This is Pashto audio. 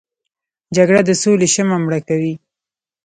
جګړه د سولې شمعه مړه کوي